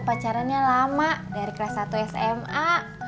pacarannya lama dari kelas satu sma